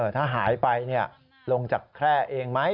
ถ้าหายไปเนี่ยลงจากแคล่เองไหม